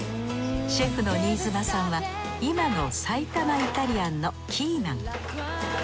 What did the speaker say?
シェフの新妻さんは今のさいたまイタリアンのキーマン。